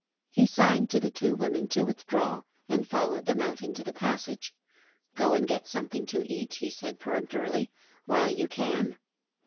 He signed to the two women to withdraw, and fol lowed them out into the passage. "Go and get some thing to eat," he said peremptorily, "while you can.